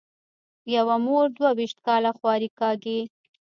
یوه مور دوه وېشت کاله خواري کاږي.